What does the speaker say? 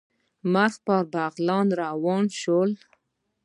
مخ پر بغلان روان شولو.